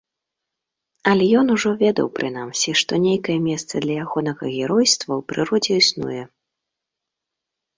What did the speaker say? Але ён ужо ведаў, прынамсі, што нейкае месца для ягонага геройства ў прыродзе існуе.